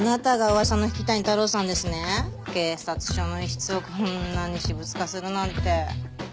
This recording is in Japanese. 警察署の一室をこんなに私物化するなんて。